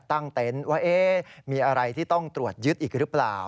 เต็นต์ว่ามีอะไรที่ต้องตรวจยึดอีกหรือเปล่า